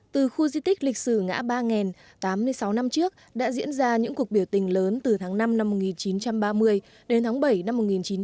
từ khu di tích lịch sử ngã ba nghèn tám mươi sáu năm trước đã diễn ra những cuộc biểu tình lớn từ tháng năm năm một nghìn chín trăm ba mươi đến tháng bảy năm một nghìn chín trăm bảy mươi